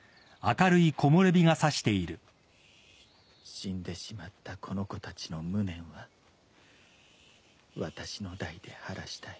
死んでしまったこの子たちの無念は私の代で晴らしたい。